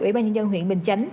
ubnd huyện bình chánh